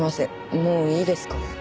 もういいですか？